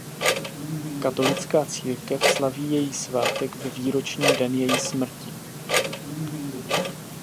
Katolická církev slaví její svátek ve výroční den její smrti.